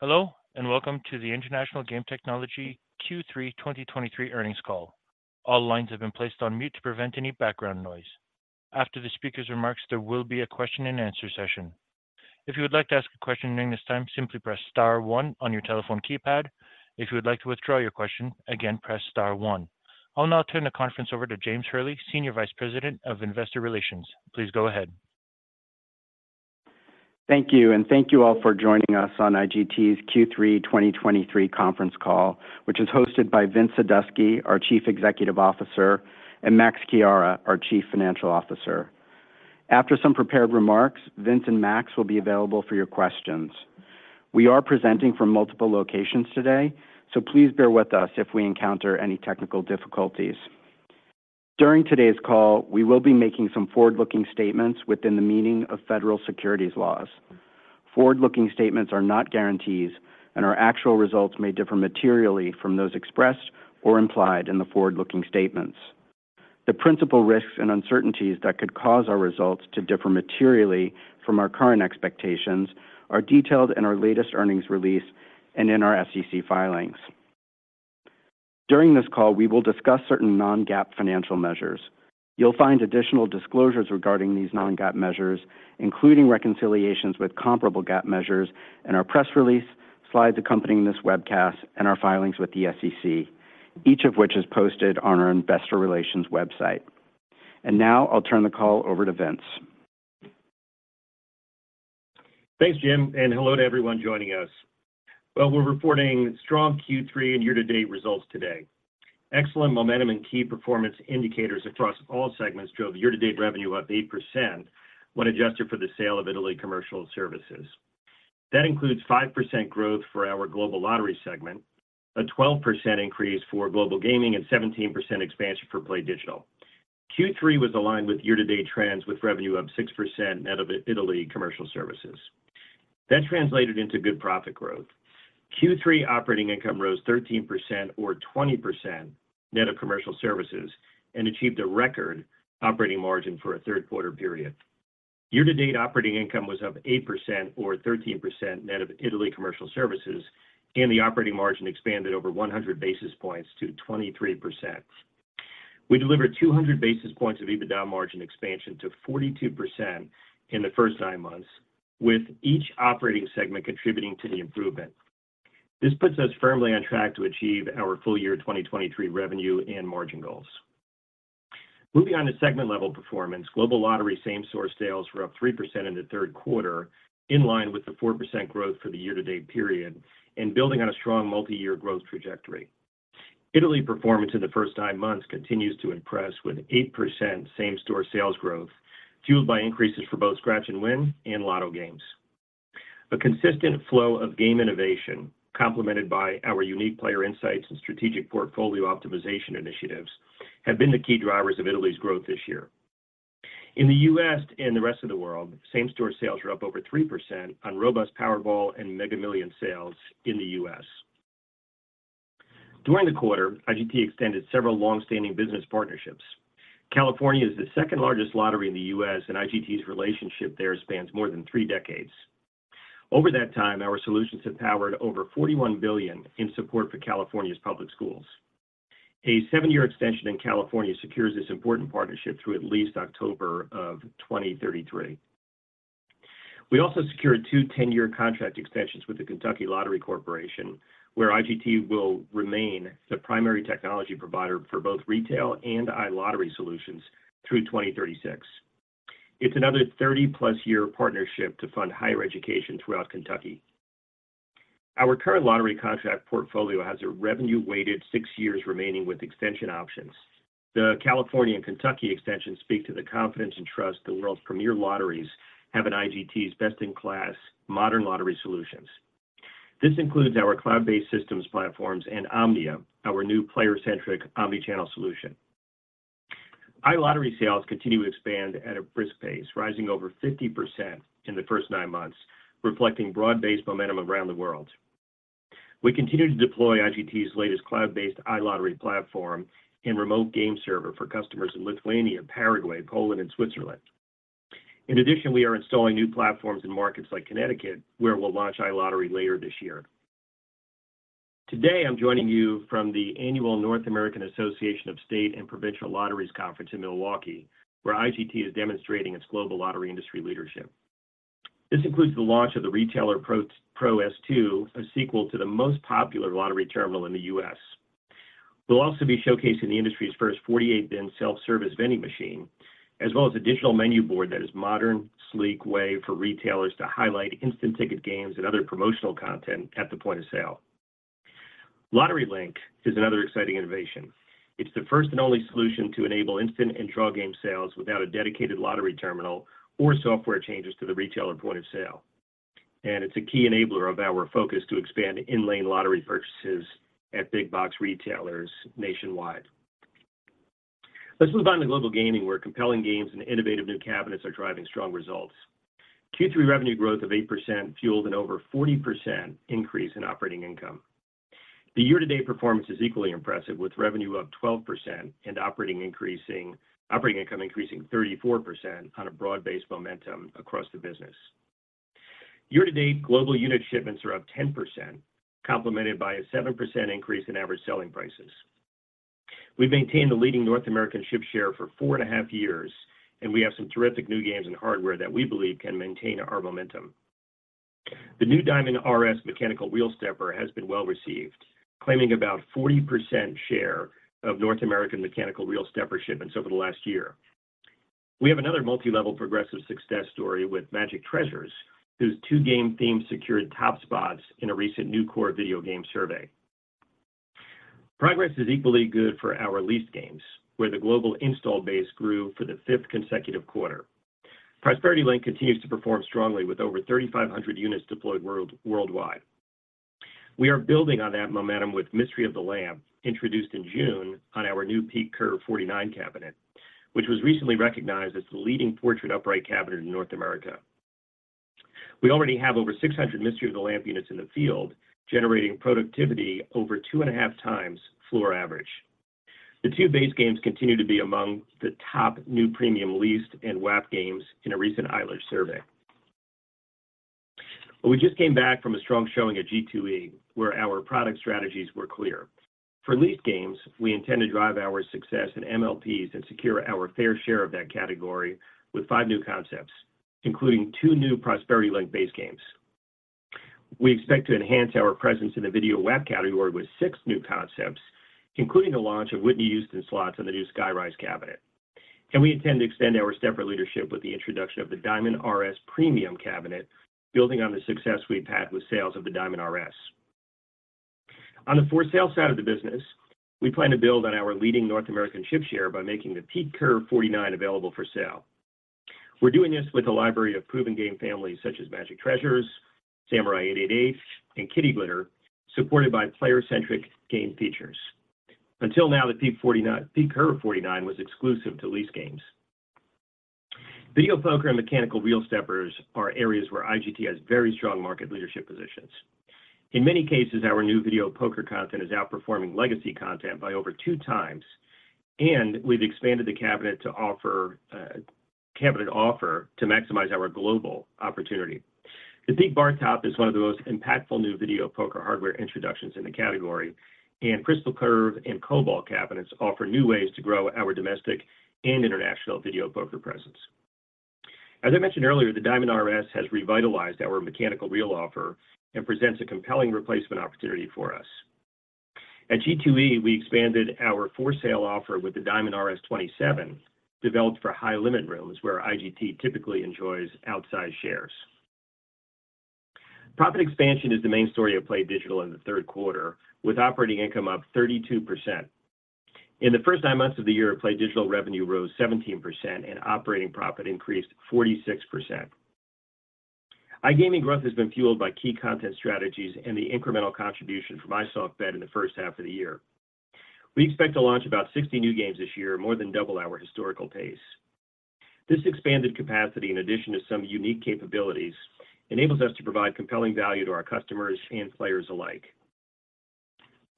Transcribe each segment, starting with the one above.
Hello, and welcome to the International Game Technology Q3 2023 Earnings Call. All lines have been placed on mute to prevent any background noise. After the speaker's remarks, there will be a question and answer session. If you would like to ask a question during this time, simply press star one on your telephone keypad. If you would like to withdraw your question, again, press star one. I'll now turn the conference over to James Hurley, Senior Vice President of Investor Relations. Please go ahead. Thank you, and thank you all for joining us on IGT's Q3 2023 conference call, which is hosted by Vince Sadusky, our Chief Executive Officer, and Max Chiara, our Chief Financial Officer. After some prepared remarks, Vince and Max will be available for your questions. We are presenting from multiple locations today, so please bear with us if we encounter any technical difficulties. During today's call, we will be making some forward-looking statements within the meaning of federal securities laws. Forward-looking statements are not guarantees, and our actual results may differ materially from those expressed or implied in the forward-looking statements. The principal risks and uncertainties that could cause our results to differ materially from our current expectations are detailed in our latest earnings release and in our SEC filings. During this call, we will discuss certain non-GAAP financial measures. You'll find additional disclosures regarding these non-GAAP measures, including reconciliations with comparable GAAP measures in our press release, slides accompanying this webcast, and our filings with the SEC, each of which is posted on our investor relations website. Now I'll turn the call over to Vince. Thanks, Jim, and hello to everyone joining us. Well, we're reporting strong Q3 and year-to-date results today. Excellent momentum and key performance indicators across all segments drove year-to-date revenue up 8% when adjusted for the sale of Italy Commercial Services. That includes 5% growth for our Global Lottery segment, a 12% increase for Global Gaming, and 17% expansion for PlayDigital. Q3 was aligned with year-to-date trends, with revenue up 6% net of Italy Commercial Services. That translated into good profit growth. Q3 operating income rose 13% or 20% net of commercial services and achieved a record operating margin for a Q3 period. Year-to-date operating income was up 8% or 13% net of Italy Commercial Services, and the operating margin expanded over 100 basis points to 23%. We delivered 200 basis points of EBITDA margin expansion to 42% in the first nine months, with each operating segment contributing to the improvement. This puts us firmly on track to achieve our full year 2023 revenue and margin goals. Moving on to segment-level performance, Global Lottery same-store sales were up 3% in the Q3, in line with the 4% growth for the year-to-date period and building on a strong multi-year growth trajectory. Italy performance in the first nine months continues to impress with 8% same-store sales growth, fueled by increases for both scratch and win and lotto games. A consistent flow of game innovation, complemented by our unique player insights and strategic portfolio optimization initiatives, have been the key drivers of Italy's growth this year. In the U.S. and the rest of the world, same-store sales are up over 3% on robust Powerball and Mega Millions sales in the U.S. During the quarter, IGT extended several long-standing business partnerships. California is the second largest lottery in the U.S., and IGT's relationship there spans more than 3 decades. Over that time, our solutions have powered over $41 billion in support for California's public schools. A seven year extension in California secures this important partnership through at least October 2033. We also secured two 10-year contract extensions with the Kentucky Lottery Corporation, where IGT will remain the primary technology provider for both retail and iLottery solutions through 2036. It's another 30+-year partnership to fund higher education throughout Kentucky. Our current lottery contract portfolio has a revenue-weighted six years remaining with extension options. The California and Kentucky extensions speak to the confidence and trust the world's premier lotteries have in IGT's best-in-class modern lottery solutions. This includes our cloud-based systems platforms and OMNIA, our new player-centric omni-channel solution. iLottery sales continue to expand at a brisk pace, rising over 50% in the first nine months, reflecting broad-based momentum around the world. We continue to deploy IGT's latest cloud-based iLottery platform and remote game server for customers in Lithuania, Paraguay, Poland, and Switzerland. In addition, we are installing new platforms in markets like Connecticut, where we'll launch iLottery later this year. Today, I'm joining you from the annual North American Association of State and Provincial Lotteries Conference in Milwaukee, where IGT is demonstrating its Global Lottery industry leadership. This includes the launch of the Retailer Pro S2, a sequel to the most popular lottery terminal in the U.S. We'll also be showcasing the industry's first 48-bin self-service vending machine, as well as a digital menu board that is a modern, sleek way for retailers to highlight instant ticket games and other promotional content at the point of sale. LotteryLink is another exciting innovation. It's the first and only solution to enable instant and draw game sales without a dedicated lottery terminal or software changes to the retailer point of sale. And it's a key enabler of our focus to expand in-lane lottery purchases at big-box retailers nationwide. Let's move on to Global Gaming, where compelling games and innovative new cabinets are driving strong results. Q3 revenue growth of 8% fueled an over 40% increase in operating income. The year-to-date performance is equally impressive, with revenue up 12% and operating income increasing 34% on a broad-based momentum across the business. Year-to-date, global unit shipments are up 10%, complemented by a 7% increase in average selling prices. We've maintained the leading North American ship share for 4.5 years, and we have some terrific new games and hardware that we believe can maintain our momentum. The new DiamondRS mechanical wheel stepper has been well-received, claiming about 40% share of North American mechanical wheel stepper shipments over the last year. We have another multi-level progressive success story with Magic Treasures, whose two game themes secured top spots in a recent new core video game survey. Progress is equally good for our leased games, where the global install base grew for the fifth consecutive quarter. Prosperity Link continues to perform strongly, with over 3,500 units deployed worldwide. We are building on that momentum with Mystery of the Lamp, introduced in June on our new PeakCurve49 cabinet, which was recently recognized as the leading portrait upright cabinet in North America. We already have over 600 Mystery of the Lamp units in the field, generating productivity over 2.5 times floor average. The two base games continue to be among the top new premium leased and WAP games in a recent Eilers survey. We just came back from a strong showing at G2E, where our product strategies were clear. For leased games, we intend to drive our success in MLPs and secure our fair share of that category with five new concepts, including two new Prosperity Link base games. We expect to enhance our presence in the video WAP category with six new concepts, including the launch of Whitney Houston slots on the new SkyRise cabinet. We intend to extend our stepper leadership with the introduction of the DiamondRS Premium cabinet, building on the success we've had with sales of the DiamondRS. On the for sale side of the business, we plan to build on our leading North American ship share by making the PeakCurve49 available for sale. We're doing this with a library of proven game families such as Magic Treasures, Samurai 888, and Kitty Glitter, supported by player-centric game features. Until now, the PeakCurve49 was exclusive to leased games. Video poker and mechanical wheel steppers are areas where IGT has very strong market leadership positions. In many cases, our new video poker content is outperforming legacy content by over two times, and we've expanded the cabinet to offer, cabinet offer to maximize our global opportunity. PeakBarTop is one of the most impactful new video poker hardware introductions in the category, and Crystal Curve and Cobalt cabinets offer new ways to grow our domestic and international video poker presence. As I mentioned earlier, the DiamondRS has revitalized our mechanical wheel offer and presents a compelling replacement opportunity for us. At G2E, we expanded our for sale offer with the DiamondRS 27, developed for high-limit rooms, where IGT typically enjoys outsized shares. Profit expansion is the main story of PlayDigital in the Q3, with operating income up 32%. In the first nine months of the year, PlayDigital revenue rose 17%, and operating profit increased 46%. iGaming growth has been fueled by key content strategies and the incremental contribution from iSoftBet in the H1 of the year. We expect to launch about 60 new games this year, more than double our historical pace. This expanded capacity, in addition to some unique capabilities, enables us to provide compelling value to our customers and players alike.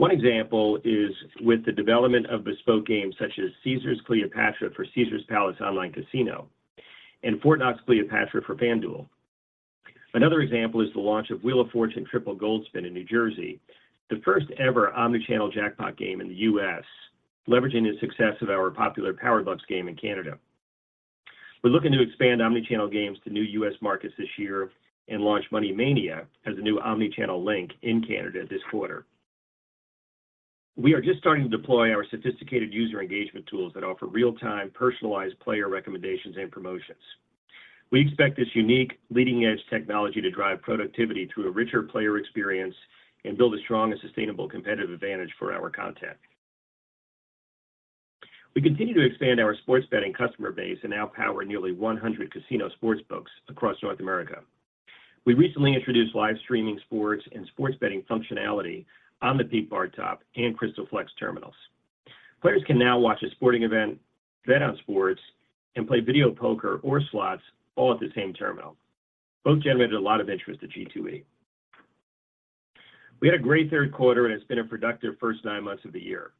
One example is with the development of bespoke games such as Caesars Cleopatra for Caesars Palace Online Casino and Fort Knox Cleopatra for FanDuel. Another example is the launch of Wheel of Fortune Triple Gold Spin in New Jersey, the first-ever omni-channel jackpot game in the U.S., leveraging the success of our popular Powerbucks game in Canada. We're looking to expand omni-channel games to new U.S. markets this year and launch Money Mania as a new omni-channel link in Canada this quarter. We are just starting to deploy our sophisticated user engagement tools that offer real-time, personalized player recommendations and promotions. We expect this unique, leading-edge technology to drive productivity through a richer player experience and build a strong and sustainable competitive advantage for our content. We continue to expand our sports betting customer base and now power nearly 100 casino sportsbooks across North America. We recently introduced live streaming sports and sports betting functionality on PeakBarTop and CrystalFlex terminals. Players can now watch a sporting event, bet on sports, and play video poker or slots, all at the same terminal. Both generated a lot of interest at G2E. We had a great Q3, and it's been a productive first nine months of the year.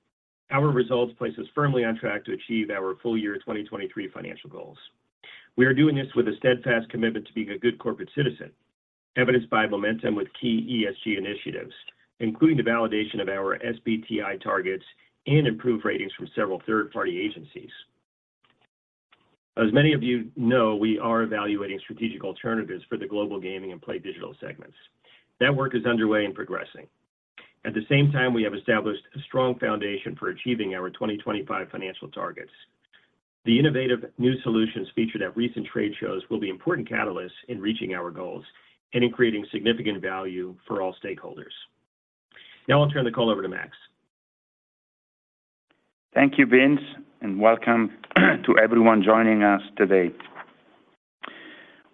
Our results place us firmly on track to achieve our full year 2023 financial goals. We are doing this with a steadfast commitment to being a good corporate citizen, evidenced by momentum with key ESG initiatives, including the validation of our SBTi targets and improved ratings from several third-party agencies. As many of you know, we are evaluating strategic alternatives for the Global Gaming and PlayDigital segments. That work is underway and progressing. At the same time, we have established a strong foundation for achieving our 2025 financial targets. The innovative new solutions featured at recent trade shows will be important catalysts in reaching our goals and in creating significant value for all stakeholders. Now I'll turn the call over to Max. Thank you, Vince, and welcome to everyone joining us today.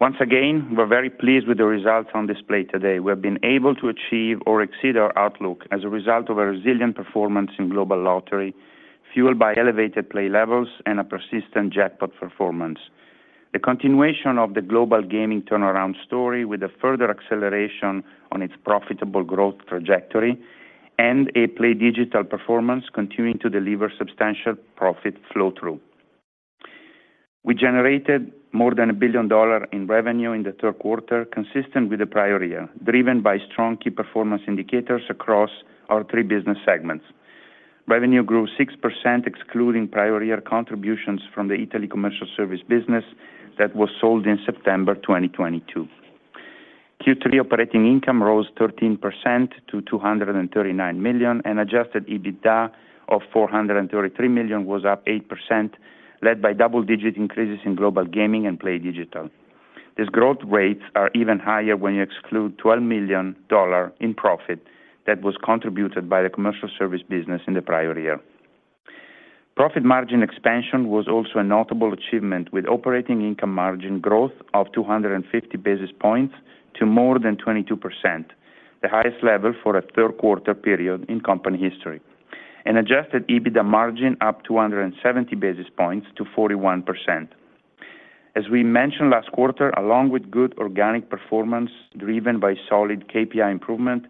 Once again, we're very pleased with the results on display today. We have been able to achieve or exceed our outlook as a result of a resilient performance in Global Lottery, fueled by elevated play levels and a persistent jackpot performance.... The continuation of the Global Gaming turnaround story with a further acceleration on its profitable growth trajectory and a PlayDigital performance continuing to deliver substantial profit flow through. We generated more than $1 billion in revenue in the Q3, consistent with the prior year, driven by strong key performance indicators across our three business segments. Revenue grew 6%, excluding prior year contributions from the Italy Commercial Service business that was sold in September 2022. Q3 operating income rose 13% to $239 million, and adjusted EBITDA of $433 million was up 8%, led by double-digit increases in Global Gaming and PlayDigital. These growth rates are even higher when you exclude $12 million in profit that was contributed by the commercial service business in the prior year. Profit margin expansion was also a notable achievement, with operating income margin growth of 250 basis points to more than 22%, the highest level for a Q3 period in company history, and adjusted EBITDA margin up 270 basis points to 41%. As we mentioned last quarter, along with good organic performance driven by solid KPI improvement,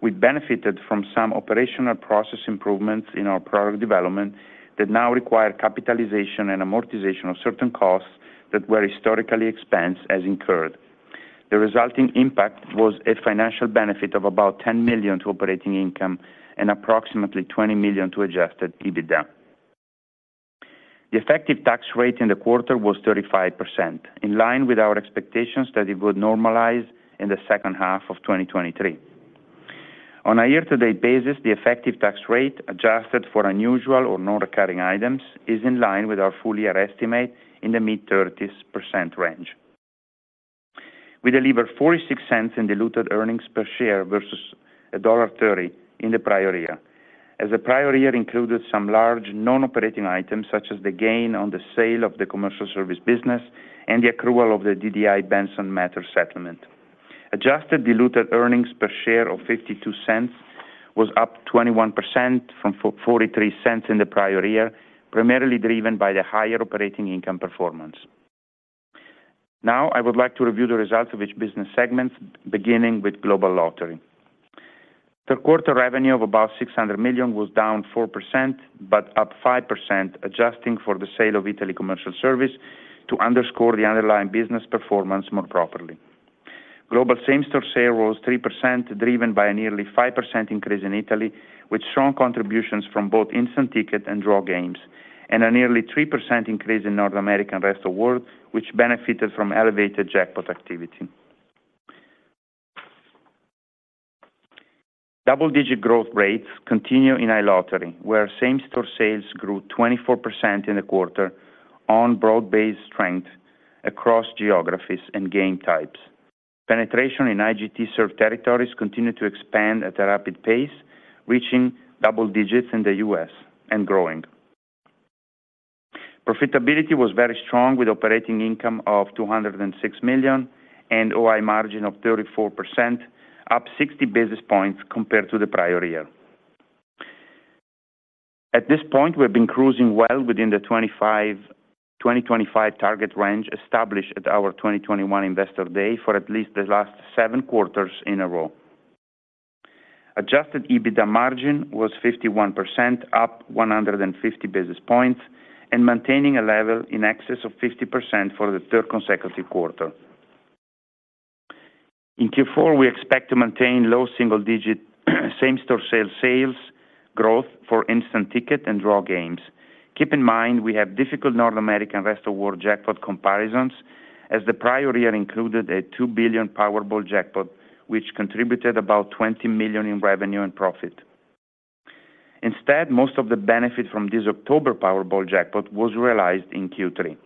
we benefited from some operational process improvements in our product development that now require capitalization and amortization of certain costs that were historically expensed as incurred. The resulting impact was a financial benefit of about $10 million to operating income and approximately $20 million to adjusted EBITDA. The effective tax rate in the quarter was 35%, in line with our expectations that it would normalize in the H2 of 2023. On a year-to-date basis, the effective tax rate, adjusted for unusual or non-recurring items, is in line with our full year estimate in the mid-30s% range. We delivered $0.46 in diluted earnings per share versus $1.30 in the prior year, as the prior year included some large non-operating items, such as the gain on the sale of the commercial service business and the accrual of the DDI Benson matter settlement. Adjusted diluted earnings per share of $0.52 was up 21% from forty-three cents in the prior year, primarily driven by the higher operating income performance. Now, I would like to review the results of each business segment, beginning with Global Lottery. The quarter revenue of about $600 million was down 4%, but up 5% adjusting for the sale of Italy Commercial Service to underscore the underlying business performance more properly. Global same-store sales rose 3%, driven by a nearly 5% increase in Italy, with strong contributions from both instant ticket and draw games, and a nearly 3% increase in North America and rest of world, which benefited from elevated jackpot activity. Double-digit growth rates continue in iLottery, where same-store sales grew 24% in the quarter on broad-based strength across geographies and game types. Penetration in IGT served territories continued to expand at a rapid pace, reaching double digits in the U.S. and growing. Profitability was very strong, with operating income of $206 million and OI margin of 34%, up 60 basis points compared to the prior year. At this point, we've been cruising well within the 2025 target range established at our 2021 Investor Day for at least the last seven quarters in a row. Adjusted EBITDA margin was 51%, up 150 basis points, and maintaining a level in excess of 50% for the third consecutive quarter. In Q4, we expect to maintain low single-digit same-store sales growth for instant ticket and draw games. Keep in mind, we have difficult North America and rest of world jackpot comparisons, as the prior year included a $2 billion Powerball jackpot, which contributed about $20 million in revenue and profit. Instead, most of the benefit from this October Powerball jackpot was realized in Q3.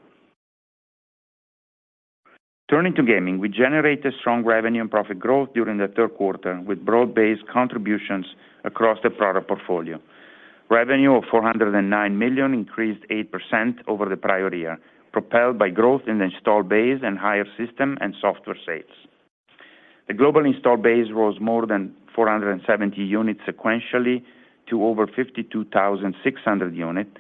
Turning to gaming, we generated strong revenue and profit growth during the Q3, with broad-based contributions across the product portfolio. Revenue of $409 million increased 8% over the prior year, propelled by growth in the installed base and higher system and software sales. The global installed base rose more than 470 units sequentially to over 52,600 units,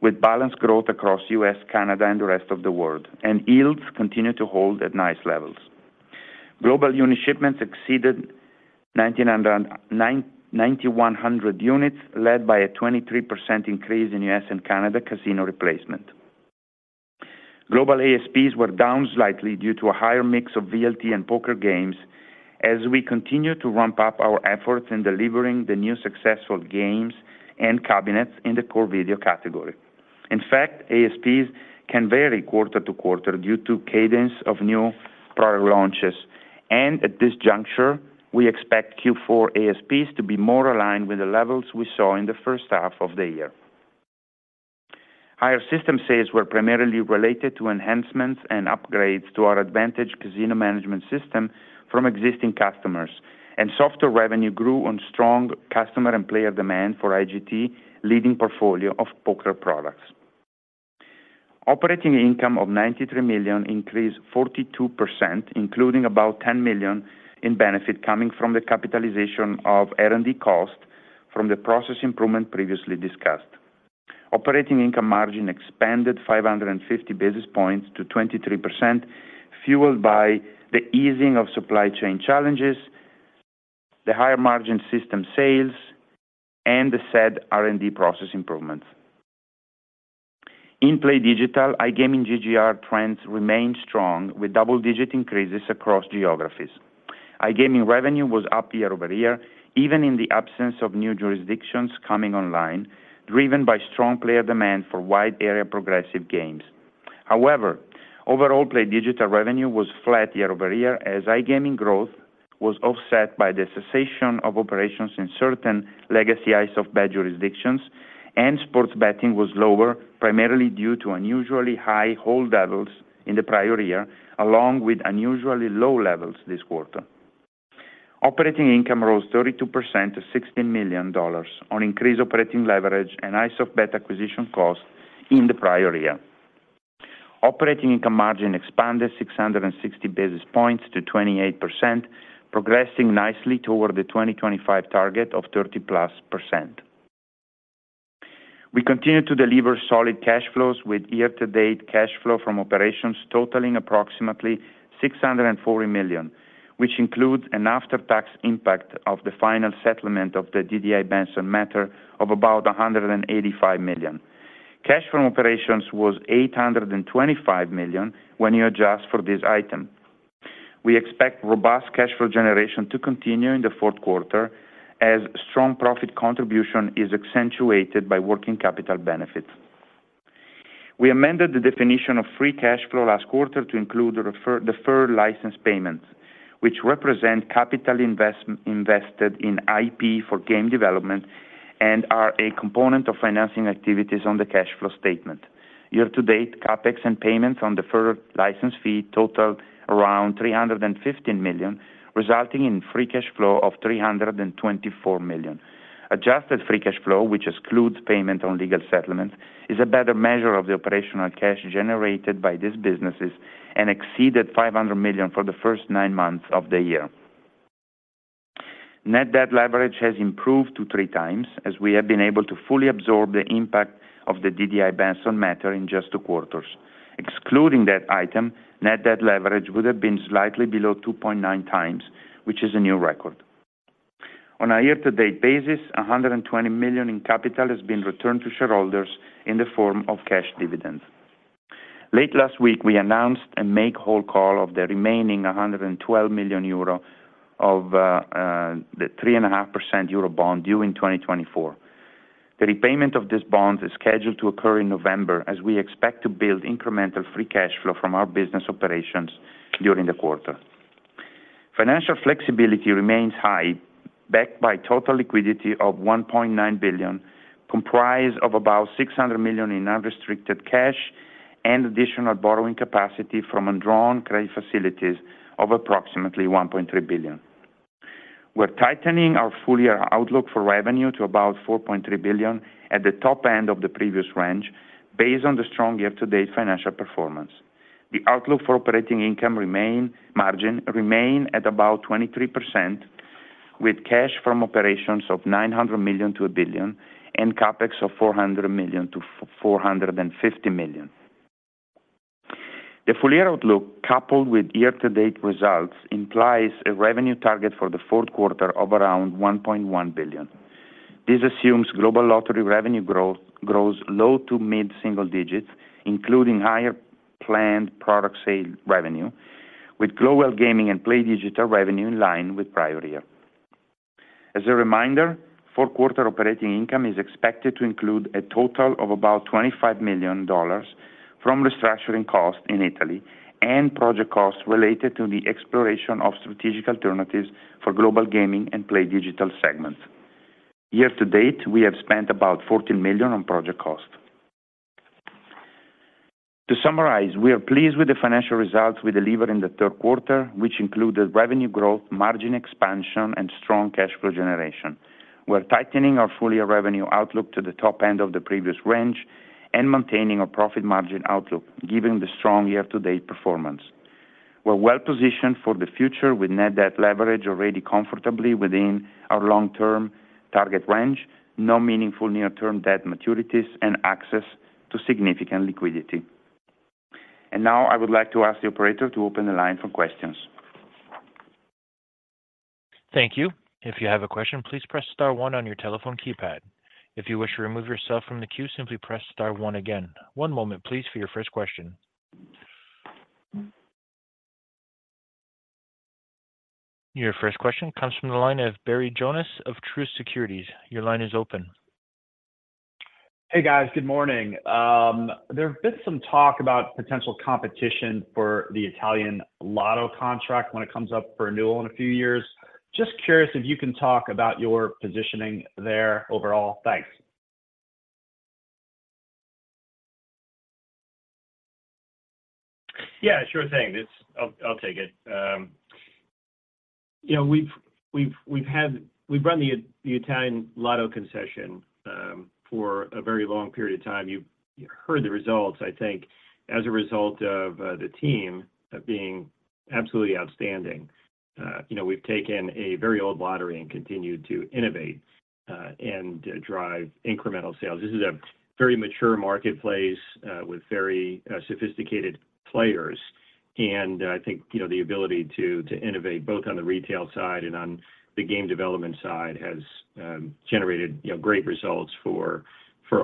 with balanced growth across U.S., Canada, and the rest of the world, and yields continued to hold at nice levels. Global unit shipments exceeded 1,991 units, led by a 23% increase in U.S. and Canada casino replacement. Global ASPs were down slightly due to a higher mix of VLT and poker games as we continue to ramp up our efforts in delivering the new successful games and cabinets in the core video category. In fact, ASPs can vary quarter to quarter due to cadence of new product launches, and at this juncture, we expect Q4 ASPs to be more aligned with the levels we saw in the H1 of the year. Higher system sales were primarily related to enhancements and upgrades to our Advantage Casino Management System from existing customers, and software revenue grew on strong customer and player demand for IGT leading portfolio of poker products. Operating income of $93 million increased 42%, including about $10 million in benefit coming from the capitalization of R&D from the process improvement previously discussed. Operating income margin expanded 550 basis points to 23%, fueled by the easing of supply chain challenges, the higher margin system sales, and the said R&D process improvements. In PlayDigital, iGaming GGR trends remained strong with double-digit increases across geographies. iGaming revenue was up year-over-year, even in the absence of new jurisdictions coming online, driven by strong player demand for wide area progressive games. However, overall PlayDigital revenue was flat year-over-year as iGaming growth was offset by the cessation of operations in certain legacy iLottery in bad jurisdictions, and sports betting was lower, primarily due to unusually high hold levels in the prior year, along with unusually low levels this quarter. Operating income rose 32% to $16 million on increased operating leverage and iSoftBet acquisition costs in the prior year. Operating income margin expanded 660 basis points to 28%, progressing nicely toward the 2025 target of 30+%. We continued to deliver solid cash flows with year-to-date cash flow from operations totaling approximately $640 million, which includes an after-tax impact of the final settlement of the DDI Benson matter of about $185 million. Cash from operations was $825 million when you adjust for this item. We expect robust cash flow generation to continue in the Q4 as strong profit contribution is accentuated by working capital benefits. We amended the definition of free cash flow last quarter to include deferred license payments, which represent capital invested in IP for game development and are a component of financing activities on the cash flow statement. Year to date, CapEx and payments on deferred license fee totaled around $315 million, resulting in free cash flow of $324 million. Adjusted free cash flow, which excludes payment on legal settlements, is a better measure of the operational cash generated by these businesses and exceeded $500 million for the first nine months of the year. Net debt leverage has improved to 3x, as we have been able to fully absorb the impact of the DDI Benson matter in just two quarters. Excluding that item, net debt leverage would have been slightly below 2.9 times, which is a new record. On a year-to-date basis, $120 million in capital has been returned to shareholders in the form of cash dividends. Late last week, we announced a make whole call of the remaining 112 million euro of the 3.5% euro bond due in 2024. The repayment of this bond is scheduled to occur in November, as we expect to build incremental free cash flow from our business operations during the quarter. Financial flexibility remains high, backed by total liquidity of $1.9 billion, comprised of about $600 million in unrestricted cash and additional borrowing capacity from undrawn credit facilities of approximately $1.3 billion. We're tightening our full-year outlook for revenue to about $4.3 billion at the top end of the previous range, based on the strong year-to-date financial performance. The outlook for operating income margin remains at about 23%, with cash from operations of $900 million-$1 billion, and CapEx of $400 million-$450 million. The full-year outlook, coupled with year-to-date results, implies a revenue target for the Q4 of around $1.1 billion. This assumes Global Lottery revenue growth grows low- to mid-single digits, including higher planned product sale revenue, with Global Gaming and PlayDigital revenue in line with prior year. As a reminder, Q4 operating income is expected to include a total of about $25 million from restructuring costs in Italy and project costs related to the exploration of strategic alternatives for Global Gaming and PlayDigital segments. Year to date, we have spent about $14 million on project costs. To summarize, we are pleased with the financial results we delivered in the Q3, which included revenue growth, margin expansion, and strong cash flow generation. We're tightening our full-year revenue outlook to the top end of the previous range and maintaining our profit margin outlook, given the strong year-to-date performance. We're well positioned for the future with net debt leverage already comfortably within our long-term target range, no meaningful near-term debt maturities, and access to significant liquidity. Now I would like to ask the operator to open the line for questions. Thank you. If you have a question, please press star one on your telephone keypad. If you wish to remove yourself from the queue, simply press star one again. One moment, please, for your first question. Your first question comes from the line of Barry Jonas of Truist Securities. Your line is open. Hey, guys. Good morning. There have been some talk about potential competition for the Italian Lotto contract when it comes up for renewal in a few years. Just curious if you can talk about your positioning there overall? Thanks. Yeah, sure thing. It's... I'll take it. You know, we've run the Italian Lotto concession for a very long period of time. You've heard the results, I think, as a result of the team being absolutely outstanding. ... You know, we've taken a very old lottery and continued to innovate and drive incremental sales. This is a very mature marketplace with very sophisticated players. And I think, you know, the ability to innovate, both on the retail side and on the game development side, has generated, you know, great results for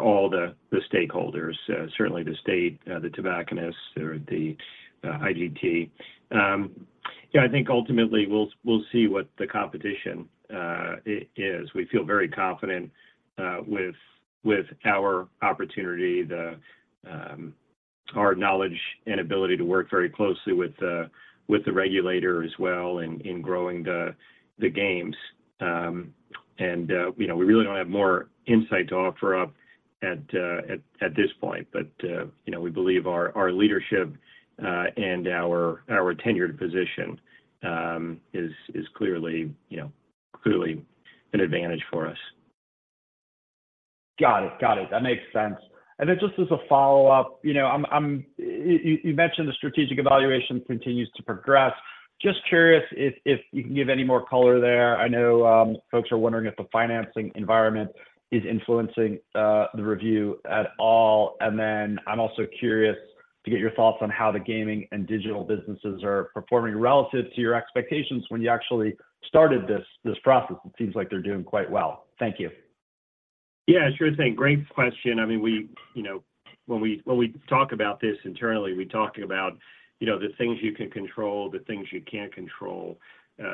all the stakeholders. Certainly the state, the tobacconists, or IGT. Yeah, I think ultimately, we'll see what the competition is. We feel very confident with our opportunity, our knowledge and ability to work very closely with the regulator as well in growing the games. And you know, we really don't have more insight to offer up at this point. But, you know, we believe our, our leadership, and our, our tenured position, is, is clearly, you know, clearly an advantage for us. Got it. Got it. That makes sense. And then just as a follow-up, you know, you mentioned the strategic evaluation continues to progress. Just curious if you can give any more color there. I know, folks are wondering if the financing environment is influencing the review at all. And then I'm also curious to get your thoughts on how the gaming and digital businesses are performing relative to your expectations when you actually started this process. It seems like they're doing quite well. Thank you. Yeah, sure thing. Great question. I mean, we, you know, when we talk about this internally, we talked about, you know, the things you can control, the things you can't control.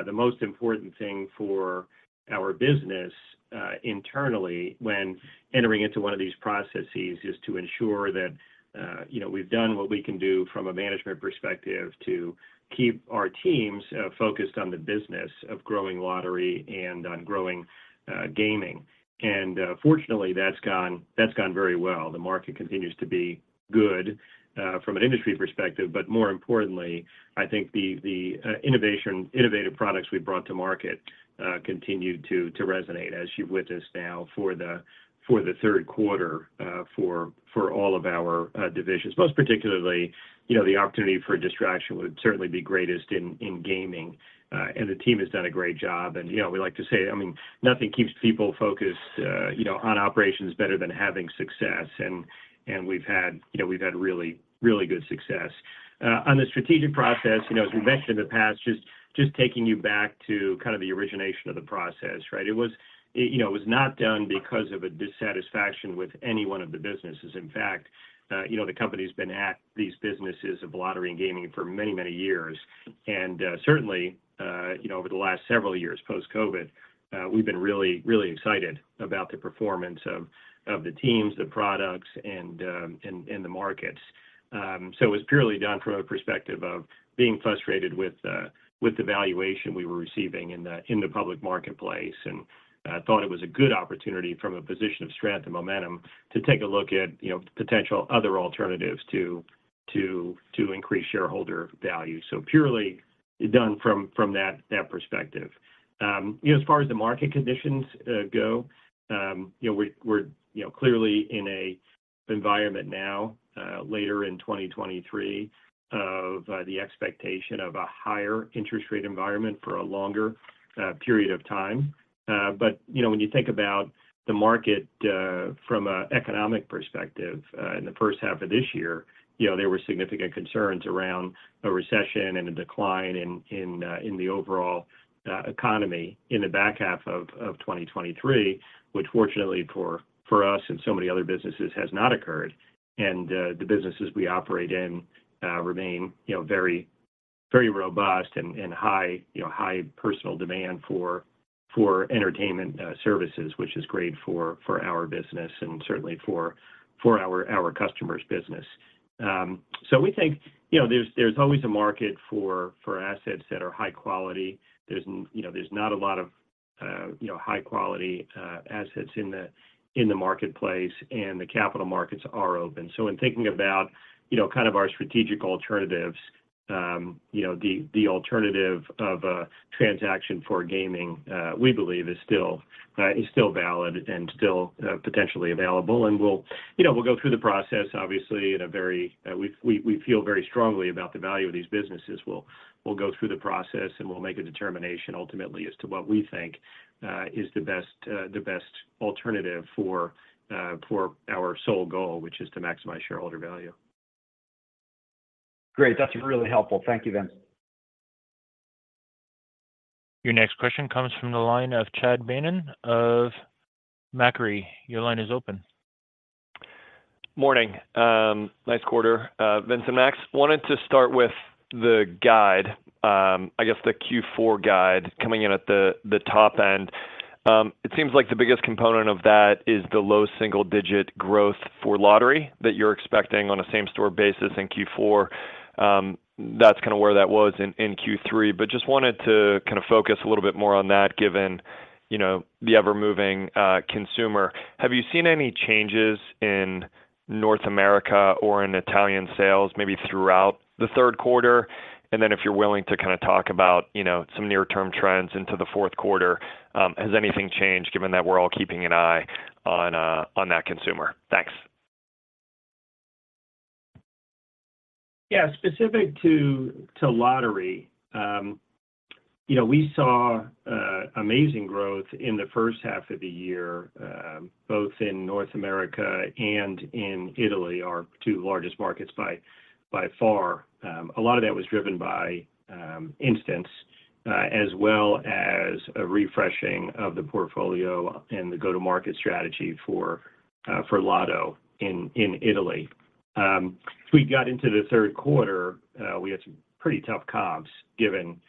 The most important thing for our business, internally, when entering into one of these processes, is to ensure that, you know, we've done what we can do from a management perspective to keep our teams focused on the business of growing lottery and on growing gaming. And, fortunately, that's gone, that's gone very well. The market continues to be good from an industry perspective, but more importantly, I think the innovative products we've brought to market continue to resonate, as you've with us now for the Q3, for all of our divisions. Most particularly, you know, the opportunity for distraction would certainly be greatest in gaming, and the team has done a great job. And, you know, we like to say, I mean, nothing keeps people focused, you know, on operations better than having success, and we've had, you know, we've had really, really good success. On the strategic process, you know, as we mentioned in the past, just taking you back to kind of the origination of the process, right? It was, you know, it was not done because of a dissatisfaction with any one of the businesses. In fact, you know, the company's been at these businesses of lottery and gaming for many, many years. Certainly, you know, over the last several years, post-COVID, we've been really, really excited about the performance of the teams, the products, and the markets. So it was purely done from a perspective of being frustrated with the valuation we were receiving in the public marketplace, and thought it was a good opportunity from a position of strength and momentum to take a look at, you know, potential other alternatives to increase shareholder value. So purely done from that perspective. You know, as far as the market conditions go, you know, we're you know, clearly in a environment now, later in 2023, of the expectation of a higher interest rate environment for a longer period of time. But, you know, when you think about the market from an economic perspective, in the H1 of this year, you know, there were significant concerns around a recession and a decline in the overall economy in the back half of 2023, which fortunately for us and so many other businesses, has not occurred. And the businesses we operate in remain, you know, very, very robust and high, you know, high personal demand for entertainment services, which is great for our business and certainly for our customers' business. So we think, you know, there's always a market for assets that are high quality. There's, you know, there's not a lot of high quality assets in the marketplace, and the capital markets are open. So in thinking about, you know, kind of our strategic alternatives, you know, the alternative of a transaction for gaming, we believe is still, is still valid and still, potentially available. And we'll, you know, we'll go through the process, obviously, in a very—we feel very strongly about the value of these businesses. We'll go through the process, and we'll make a determination ultimately as to what we think is the best, the best alternative for our sole goal, which is to maximize shareholder value. Great. That's really helpful. Thank you, Vince. Your next question comes from the line of Chad Beynon of Macquarie. Your line is open. Morning. Nice quarter, Vince and Max. Wanted to start with the guide, I guess the Q4 guide coming in at the top end. It seems like the biggest component of that is the low single-digit growth for lottery that you're expecting on a same-store basis in Q4. That's kinda where that was in Q3, but just wanted to kind of focus a little bit more on that, given, you know, the ever-moving consumer. Have you seen any changes in North America or in Italian sales, maybe throughout the Q3? And then if you're willing to kind of talk about, you know, some near-term trends into the Q4, has anything changed, given that we're all keeping an eye on that consumer? Thanks. Yeah, specific to lottery, you know, we saw amazing growth in the H1 of the year, both in North America and in Italy, our two largest markets by far. A lot of that was driven by instants, as well as a refreshing of the portfolio and the go-to-market strategy for lotto in Italy. We got into the Q3, we had some pretty tough comps, given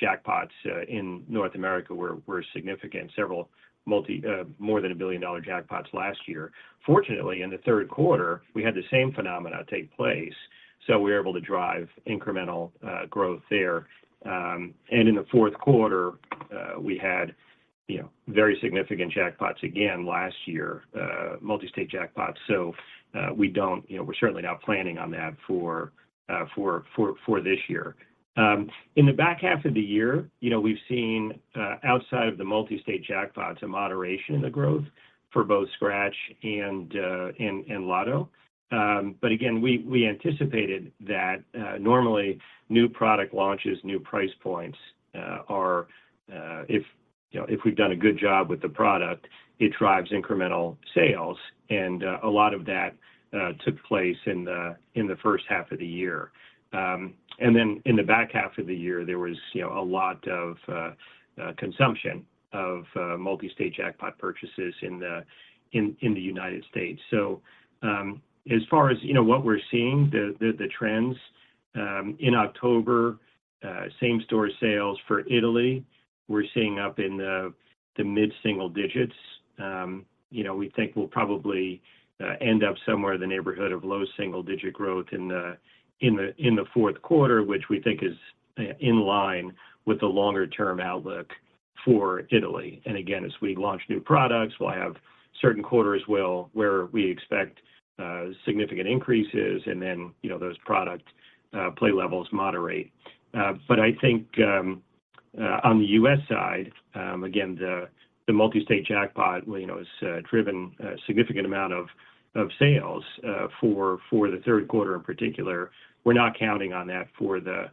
jackpots in North America were significant, several more than a billion-dollar jackpots last year. Fortunately, in the Q3, we had the same phenomena take place, so we were able to drive incremental growth there. And in the Q4, we had, you know, very significant jackpots again last year, multi-state jackpots. So, we don't, you know, we're certainly not planning on that for this year. In the back half of the year, you know, we've seen, outside of the multi-state jackpots, a moderation in the growth for both scratch and lotto. But again, we anticipated that, normally new product launches, new price points are, if, you know, if we've done a good job with the product, it drives incremental sales, and a lot of that took place in the H1 of the year. And then in the back half of the year, there was, you know, a lot of consumption of multi-state jackpot purchases in the United States. So, as far as you know, what we're seeing, the trends in October, same-store sales for Italy, we're seeing up in the mid-single digits. You know, we think we'll probably end up somewhere in the neighborhood of low single-digit growth in the Q4, which we think is in line with the longer-term outlook for Italy. And again, as we launch new products, we'll have certain quarters, well, where we expect significant increases, and then, you know, those product play levels moderate. But I think on the US side, again, the multi-state jackpot, well, you know, has driven a significant amount of sales for the Q3 in particular. We're not counting on that for the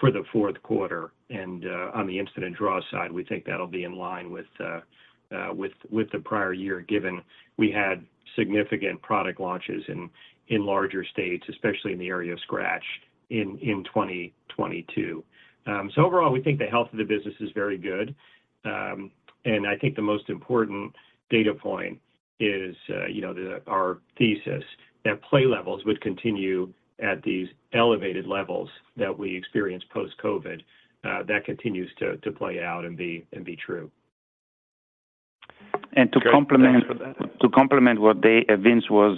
Q4. On the instant draw side, we think that'll be in line with the prior year, given we had significant product launches in larger states, especially in the area of scratch-ins in 2022. So overall, we think the health of the business is very good. And I think the most important data point is, you know, our thesis that play levels would continue at these elevated levels that we experienced post-COVID, that continues to play out and be true. And to complement- Thanks for that. To complement what they, Vince, was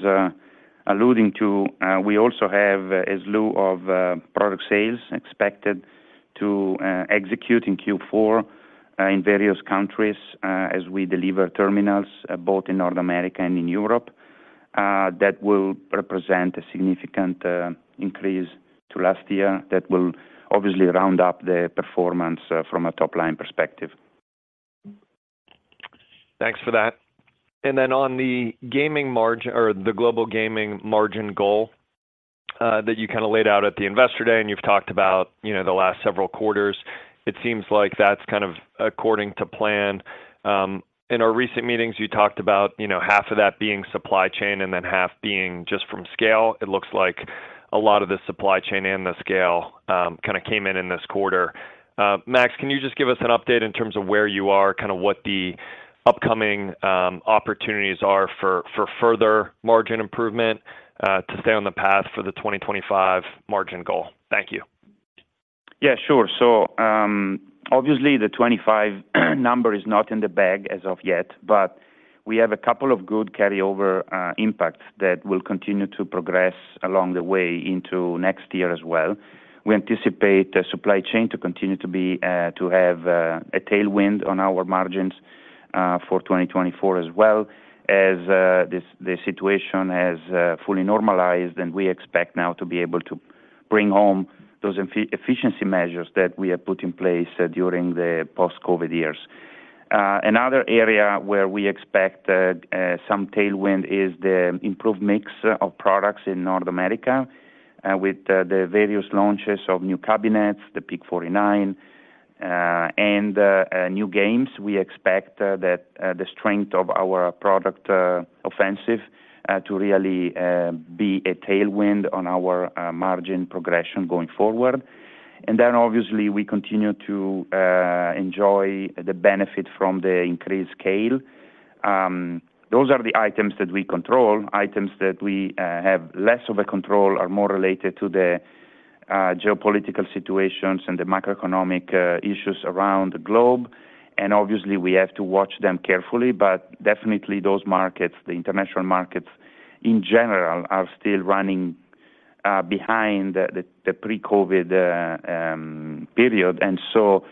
alluding to, we also have a slew of product sales expected to execute in Q4 in various countries as we deliver terminals, both in North America and in Europe. That will represent a significant increase to last year, that will obviously round up the performance from a top-line perspective. Thanks for that. And then on the gaming margin or the Global Gaming margin goal, that you kinda laid out at the Investor Day, and you've talked about, you know, the last several quarters, it seems like that's kind of according to plan. In our recent meetings, you talked about, you know, half of that being supply chain and then half being just from scale. It looks like a lot of the supply chain and the scale, kinda came in in this quarter. Max, can you just give us an update in terms of where you are, kinda what the upcoming opportunities are for, for further margin improvement, to stay on the path for the 2025 margin goal? Thank you. Yeah, sure. So, obviously, the 25 number is not in the bag as of yet, but we have a couple of good carryover impacts that will continue to progress along the way into next year as well. We anticipate the supply chain to continue to have a tailwind on our margins for 2024, as well as this situation has fully normalized, and we expect now to be able to bring home those efficiency measures that we have put in place during the post-COVID years. Another area where we expect some tailwind is the improved mix of products in North America with the various launches of new cabinets, the Peak 49 and new games. We expect the strength of our product offering to really be a tailwind on our margin progression going forward. And then, obviously, we continue to enjoy the benefit from the increased scale. Those are the items that we control. Items that we have less of a control are more related to the geopolitical situations and the macroeconomic issues around the globe, and obviously, we have to watch them carefully. But definitely, those markets, the international markets in general, are still running behind the pre-COVID period. And so,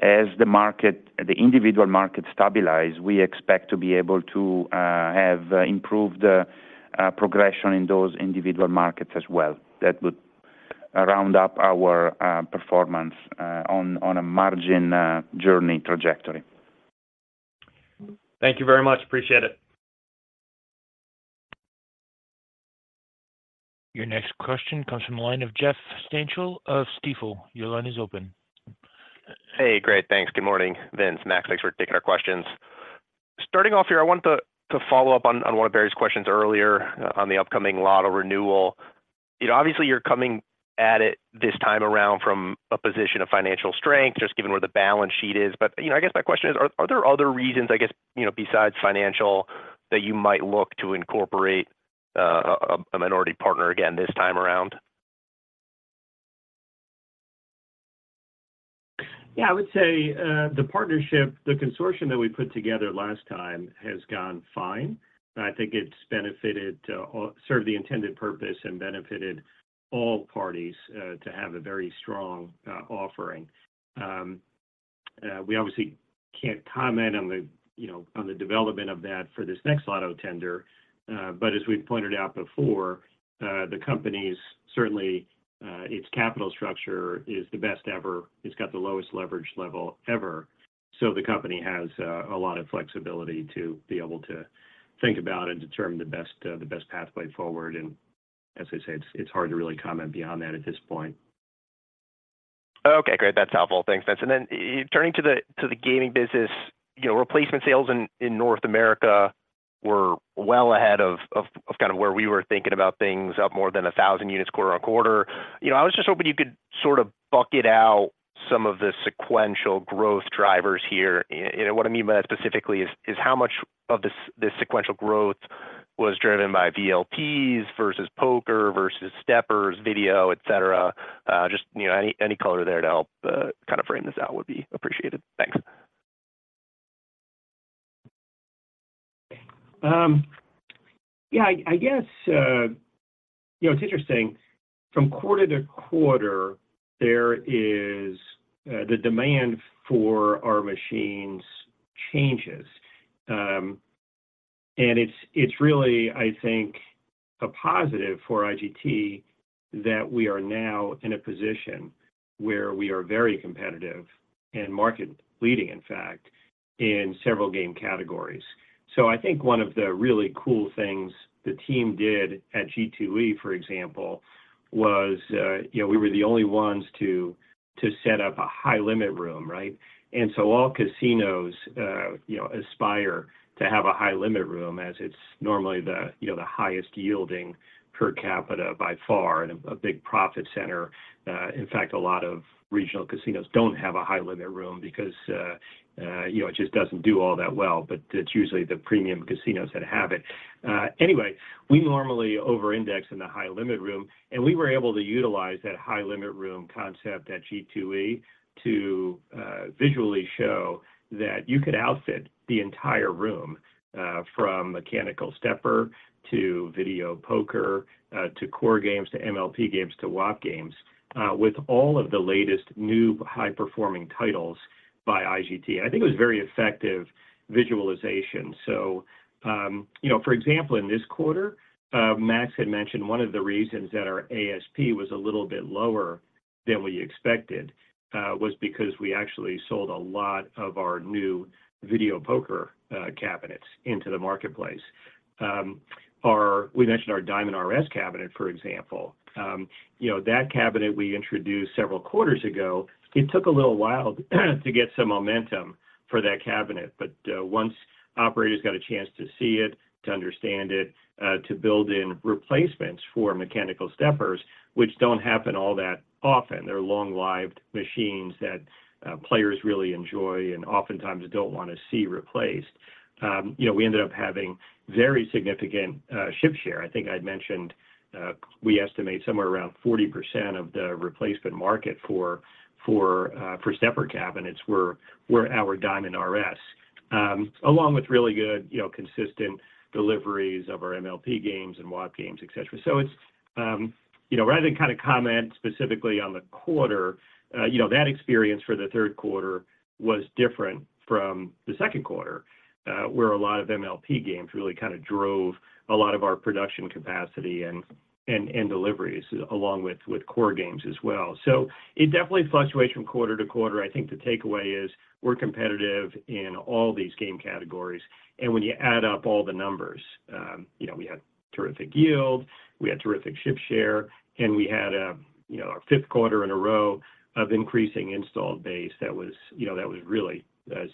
as the market-the individual markets stabilize, we expect to be able to have improved progression in those individual markets as well. That would round up our performance on a margin journey trajectory. ...Thank you very much. Appreciate it. Your next question comes from the line of Jeff Stantial of Stifel. Your line is open. Hey, great. Thanks. Good morning, Vince, Max. Thanks for taking our questions. Starting off here, I want to follow up on one of Barry's questions earlier on the upcoming lotto renewal. You know, obviously, you're coming at it this time around from a position of financial strength, just given where the balance sheet is. But, you know, I guess my question is, are there other reasons, I guess, you know, besides financial, that you might look to incorporate a minority partner again this time around? Yeah, I would say, the partnership, the consortium that we put together last time has gone fine. I think it's benefited, or served the intended purpose and benefited all parties, to have a very strong, offering. We obviously can't comment on the, you know, on the development of that for this next lotto tender, but as we've pointed out before, the company's certainly, its capital structure is the best ever. It's got the lowest leverage level ever. So the company has, a lot of flexibility to be able to think about and determine the best, the best pathway forward, and as I said, it's, it's hard to really comment beyond that at this point. Okay, great. That's helpful. Thanks, Vince. And then turning to the gaming business, you know, replacement sales in North America were well ahead of kind of where we were thinking about things, up more than 1,000 units quarter-over-quarter. You know, I was just hoping you could sort of bucket out some of the sequential growth drivers here. And what I mean by that specifically is how much of this sequential growth was driven by VLTs versus poker versus steppers, video, et cetera? Just, you know, any color there to help kind of frame this out would be appreciated. Thanks. Yeah, I guess, you know, it's interesting, from quarter to quarter, there is, the demand for our machines changes. It's really, I think, a positive for IGT that we are now in a position where we are very competitive and market leading, in fact, in several game categories. I think one of the really cool things the team did at G2E, for example, was, you know, we were the only ones to set up a high-limit room, right? So all casinos, you know, aspire to have a high-limit room, as it's normally the, you know, the highest yielding per capita by far and a big profit center. In fact, a lot of regional casinos don't have a high-limit room because, you know, it just doesn't do all that well, but it's usually the premium casinos that have it. Anyway, we normally overindex in the high-limit room, and we were able to utilize that high-limit room concept at G2E to visually show that you could outfit the entire room, from mechanical stepper to video poker, to core games, to MLP games, to WAP games, with all of the latest new high-performing titles by IGT. I think it was a very effective visualization. So, you know, for example, in this quarter, Max had mentioned one of the reasons that our ASP was a little bit lower than we expected was because we actually sold a lot of our new video poker cabinets into the marketplace. We mentioned our DiamondRS cabinet, for example. You know, that cabinet we introduced several quarters ago, it took a little while to get some momentum for that cabinet. But, once operators got a chance to see it, to understand it, to build in replacements for mechanical steppers, which don't happen all that often. They're long-lived machines that, players really enjoy and oftentimes don't want to see replaced. You know, we ended up having very significant, ship share. I think I'd mentioned, we estimate somewhere around 40% of the replacement market for, for, for stepper cabinets were, were our DiamondRS. Along with really good, you know, consistent deliveries of our MLP games and WAP games, et cetera. So it's, you know, rather than kind of comment specifically on the quarter, you know, that experience for the Q3 was different from the Q2, where a lot of MLP games really kind of drove a lot of our production capacity and deliveries, along with core games as well. So it definitely fluctuates from quarter to quarter. I think the takeaway is we're competitive in all these game categories, and when you add up all the numbers, you know, we had terrific yield, we had terrific ship share, and we had a, you know, our fifth quarter in a row of increasing installed base. That was, you know, that was really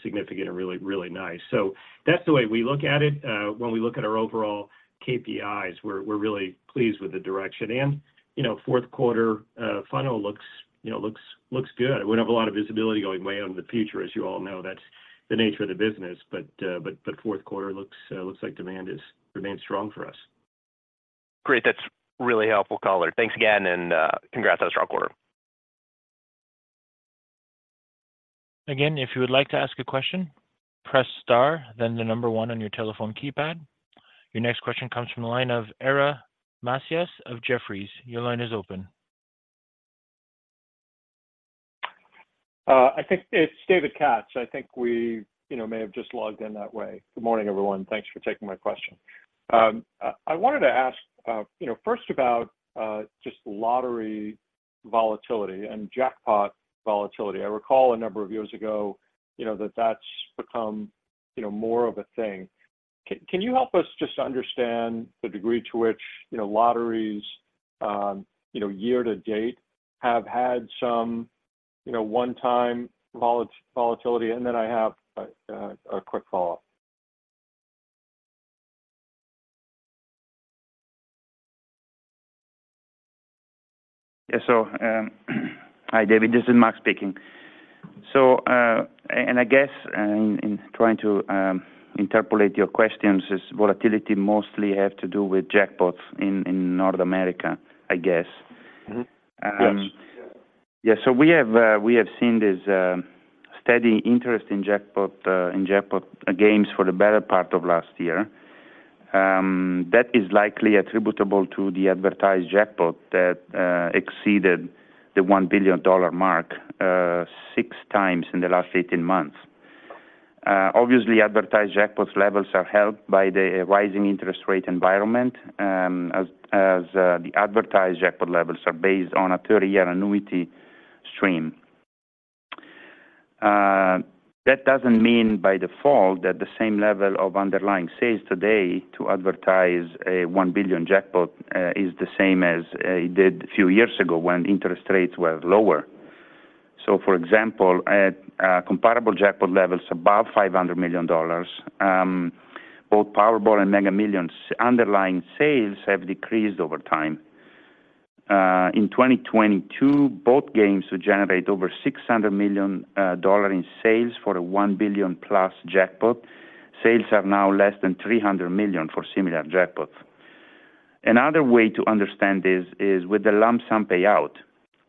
significant and really, really nice. So that's the way we look at it. When we look at our overall KPIs, we're really pleased with the direction. You know, Q4 funnel looks, you know, looks good. We don't have a lot of visibility going way out in the future, as you all know. That's the nature of the business, but Q4 looks like demand is remains strong for us. Great. That's really helpful color. Thanks again, and, congrats on a strong quarter. Again, if you would like to ask a question, press star, then the number one on your telephone keypad. Your next question comes from the line of Era Masias of Jefferies. Your line is open. I think it's David Katz. I think we, you know, may have just logged in that way. Good morning, everyone. Thanks for taking my question. …I wanted to ask, you know, first about, just lottery volatility and jackpot volatility. I recall a number of years ago, you know, that that's become, you know, more of a thing. Can you help us just understand the degree to which, you know, lotteries, you know, year to date have had some, you know, one-time volatility? And then I have a quick follow-up. Yeah. So, hi, David. This is Max speaking. So, and I guess, in trying to interpolate your questions, is volatility mostly have to do with jackpots in North America, I guess? Mm-hmm. Yes. Yeah, so we have seen this steady interest in jackpot games for the better part of last year. That is likely attributable to the advertised jackpot that exceeded the $1 billion mark six times in the last 18 months. Obviously, advertised jackpot levels are helped by the rising interest rate environment, as the advertised jackpot levels are based on a 30-year annuity stream. That doesn't mean by default, that the same level of underlying sales today to advertise a $1 billion jackpot is the same as it did a few years ago when interest rates were lower. So, for example, at comparable jackpot levels above $500 million, both Powerball and Mega Millions underlying sales have decreased over time. In 2022, both games would generate over $600 million in sales for a $1 billion+ jackpot. Sales are now less than $300 million for similar jackpots. Another way to understand this is with the lump sum payout.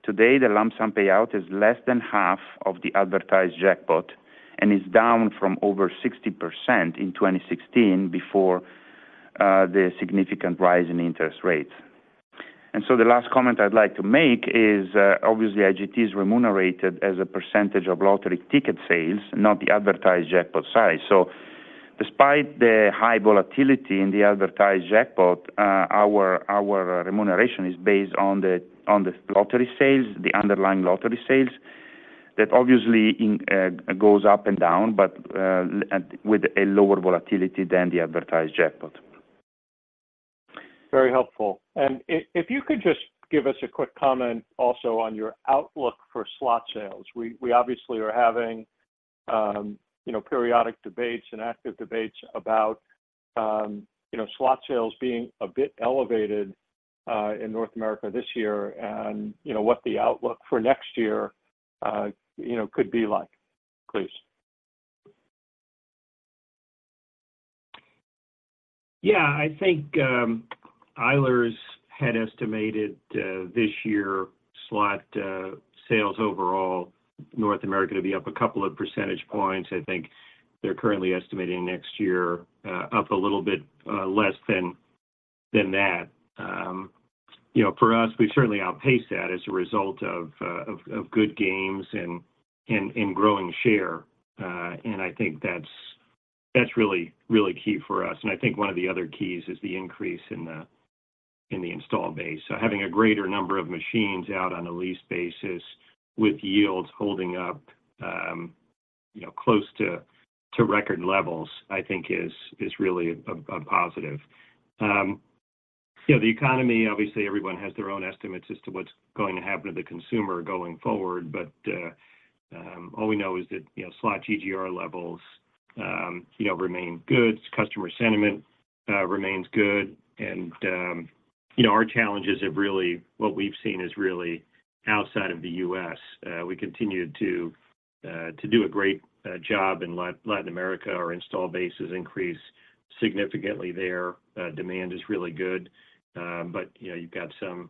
Today, the lump sum payout is less than half of the advertised jackpot and is down from over 60% in 2016 before the significant rise in interest rates. And so the last comment I'd like to make is, obviously, IGT is remunerated as a percentage of lottery ticket sales, not the advertised jackpot size. So despite the high volatility in the advertised jackpot, our remuneration is based on the lottery sales, the underlying lottery sales. That obviously goes up and down, but with a lower volatility than the advertised jackpot. Very helpful. And if you could just give us a quick comment also on your outlook for slot sales. We obviously are having, you know, periodic debates and active debates about, you know, slot sales being a bit elevated in North America this year and, you know, what the outlook for next year could be like, please. Yeah, I think Eilers had estimated this year slot sales overall North America to be up a couple of percentage points. I think they're currently estimating next year up a little bit less than that. You know, for us, we certainly outpace that as a result of good games and growing share. And I think that's really, really key for us. And I think one of the other keys is the increase in the install base. So having a greater number of machines out on a lease basis with yields holding up, you know, close to record levels, I think is really a positive. You know, the economy, obviously, everyone has their own estimates as to what's going to happen to the consumer going forward. But all we know is that, you know, slot GGR levels, you know, remain good, customer sentiment remains good. And you know, our challenges have really—what we've seen is really outside of the U.S. We continue to do a great job in Latin America. Our install base has increased significantly there. Demand is really good, but, you know, you've got some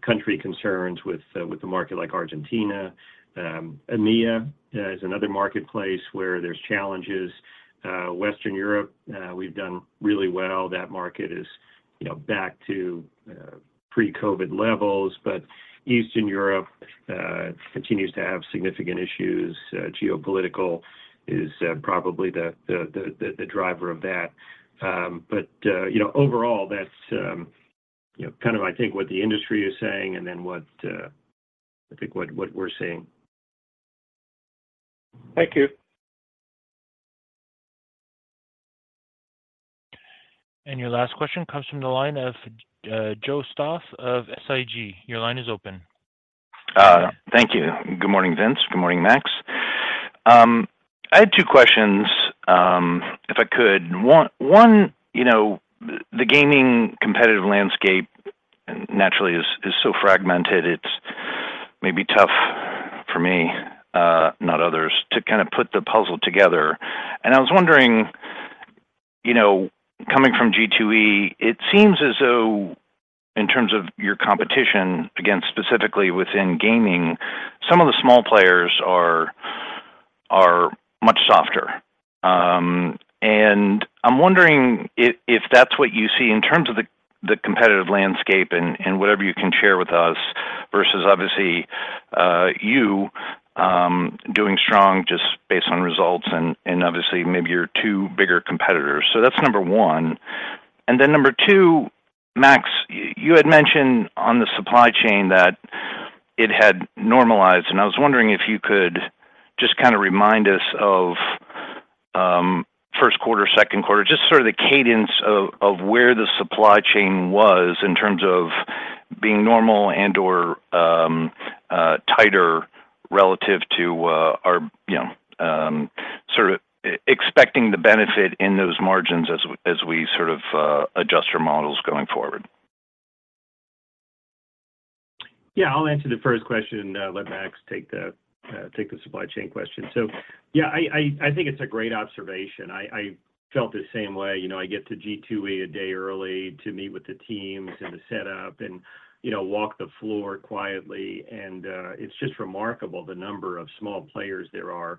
country concerns with the market like Argentina. EMEA is another marketplace where there's challenges. Western Europe, we've done really well. That market is, you know, back to pre-COVID levels, but Eastern Europe continues to have significant issues. Geopolitical is probably the driver of that. But, you know, overall, that's, you know, kind of I think what the industry is saying and then what I think we're seeing. Thank you. Your last question comes from the line of Joe Stauff of SIG. Your line is open. Thank you. Good morning, Vince. Good morning, Max. I had two questions, if I could. One, you know, the gaming competitive landscape naturally is so fragmented. It's maybe tough for me, not others, to kind of put the puzzle together. I was wondering, you know, coming from G2E, it seems as though in terms of your competition, again, specifically within gaming, some of the small players are much softer. And I'm wondering if that's what you see in terms of the competitive landscape and whatever you can share with us? Versus obviously, you doing strong just based on results and obviously maybe your two bigger competitors. So that's number one. And then number two, Max, you had mentioned on the supply chain that it had normalized, and I was wondering if you could just kind of remind us of Q1, Q2, just sort of the cadence of where the supply chain was in terms of being normal and/or tighter relative to our, you know, sort of expecting the benefit in those margins as we sort of adjust our models going forward. Yeah, I'll answer the first question, and let Max take the supply chain question. So, yeah, I think it's a great observation. I felt the same way. You know, I get to G2E a day early to meet with the teams and the setup and, you know, walk the floor quietly, and it's just remarkable the number of small players there are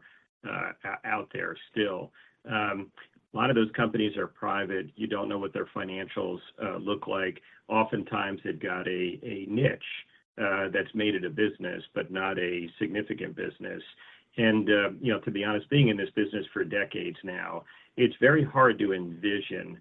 out there still. A lot of those companies are private. You don't know what their financials look like. Oftentimes, they've got a niche that's made it a business, but not a significant business. You know, to be honest, being in this business for decades now, it's very hard to envision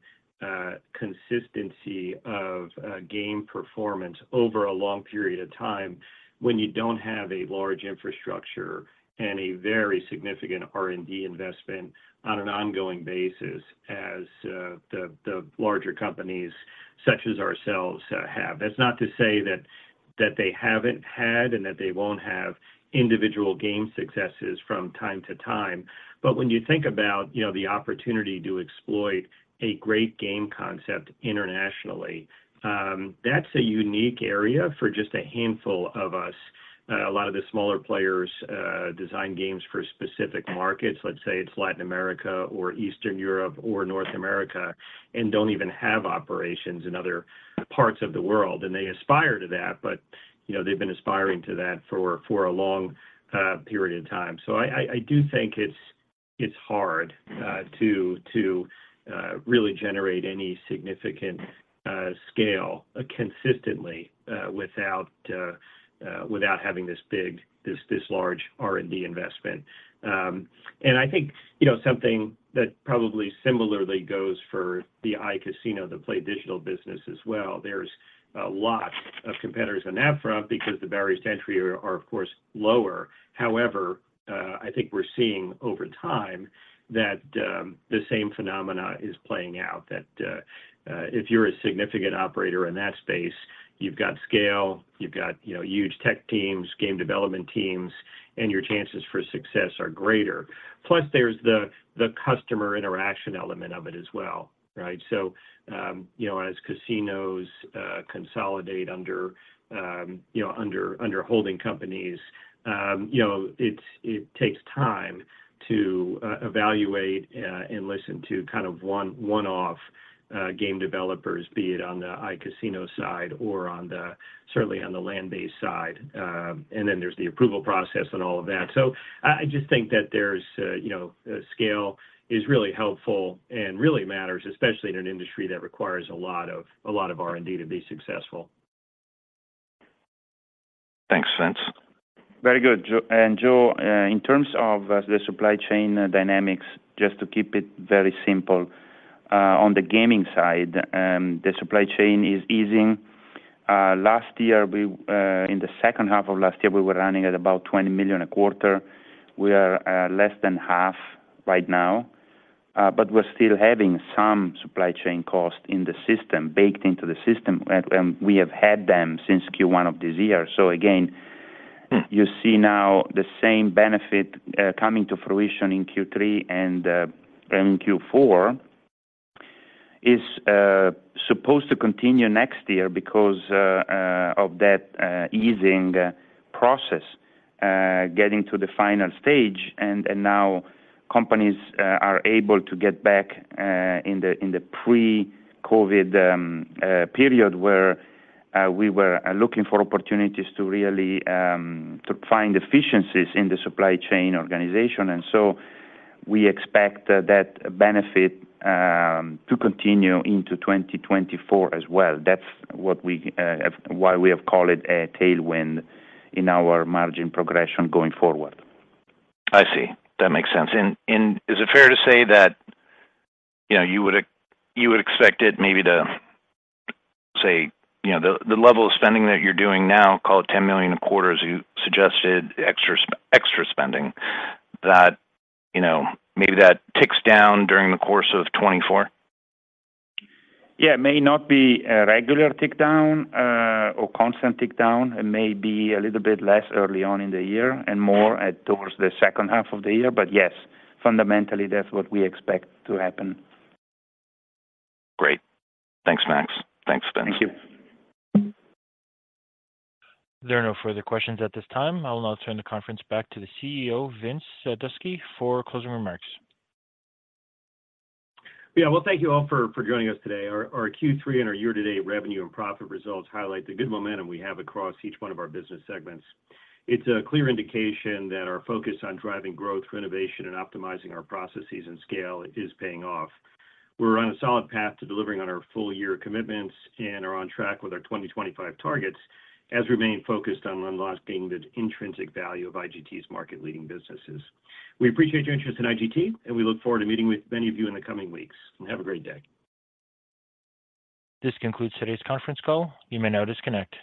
consistency of game performance over a long period of time when you don't have a large infrastructure and a very significant R&D investment on an ongoing basis as the larger companies, such as ourselves, have. That's not to say that they haven't had and that they won't have individual game successes from time to time. But when you think about you know, the opportunity to exploit a great game concept internationally, that's a unique area for just a handful of us. A lot of the smaller players design games for specific markets, let's say it's Latin America or Eastern Europe or North America, and don't even have operations in other parts of the world, and they aspire to that, but, you know, they've been aspiring to that for a long period of time. So I do think it's hard to really generate any significant scale consistently without having this large R&D investment. And I think, you know, something that probably similarly goes for the iCasino, the PlayDigital business as well, there's a lot of competitors on that front because the barriers to entry are, of course, lower. However, I think we're seeing over time that the same phenomena is playing out, that if you're a significant operator in that space, you've got scale, you've got, you know, huge tech teams, game development teams, and your chances for success are greater. Plus, there's the customer interaction element of it as well, right? So, you know, as casinos consolidate under, you know, under holding companies, you know, it takes time to evaluate and listen to kind of one-off game developers, be it on the iCasino side or on the, certainly on the land-based side. And then there's the approval process and all of that. So, I just think that there's, you know, scale is really helpful and really matters, especially in an industry that requires a lot of, a lot of R&D to be successful. Thanks, Vince. Very good, Joe, in terms of the supply chain dynamics, just to keep it very simple, on the gaming side, the supply chain is easing. Last year, in the H2 of last year, we were running at about $20 million a quarter. We are at less than $10 million right now, but we're still having some supply chain cost in the system, baked into the system, and we have had them since Q1 of this year. So again, you see now the same benefit coming to fruition in Q3 and in Q4, supposed to continue next year because of that easing process getting to the final stage. And now companies are able to get back in the pre-COVID period, where we were looking for opportunities to really find efficiencies in the supply chain organization. And so we expect that benefit to continue into 2024 as well. That's why we have called it a tailwind in our margin progression going forward. I see. That makes sense. And is it fair to say that, you know, you would expect it maybe to say, you know, the level of spending that you're doing now, call it $10 million a quarter, as you suggested, extra spending, that, you know, maybe that ticks down during the course of 2024? Yeah. It may not be a regular tick down, or constant tick down. It may be a little bit less early on in the year and more at towards the H2 of the year. But yes, fundamentally, that's what we expect to happen. Great. Thanks, Max. Thanks, Vince. Thank you. There are no further questions at this time. I will now turn the conference back to the CEO, Vince Sadusky, for closing remarks. Yeah. Well, thank you all for joining us today. Our Q3 and our year-to-date revenue and profit results highlight the good momentum we have across each one of our business segments. It's a clear indication that our focus on driving growth, innovation, and optimizing our processes and scale is paying off. We're on a solid path to delivering on our full-year commitments and are on track with our 2025 targets as we remain focused on unlocking the intrinsic value of IGT's market-leading businesses. We appreciate your interest in IGT, and we look forward to meeting with many of you in the coming weeks. Have a great day. This concludes today's conference call. You may now disconnect.